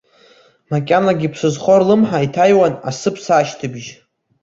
Макьанагьы ԥсы зхоу рлымҳа иҭаҩуан асыԥса ашьҭыбжь.